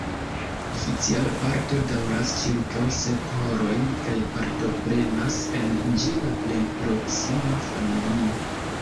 Oficiala parto daŭras ĉirkaŭ sep horojn kaj partoprenas en ĝi la plej proksima familio.